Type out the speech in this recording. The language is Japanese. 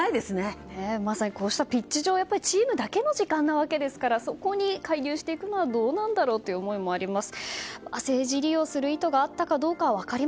こうしたピッチ上はチームだけの時間なわけですからそこに介入していくのはどうなんだろうという思いもあります。